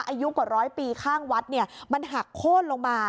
อายุกว่าร้อยปีข้างวัดมันหักโค้นลงมา